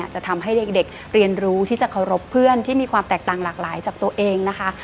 จะทำให้เด็กเรียนรู้ที่จะเคารพเพื่อนที่มีความแตกต่างหลากหลายจากตัวเองนะคะ